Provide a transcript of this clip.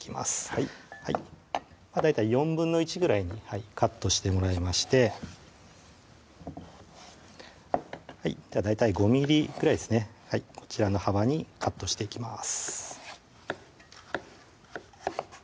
はい大体４分の１ぐらいにカットしてもらいまして大体５ｍｍぐらいですねこちらの幅にカットしていきます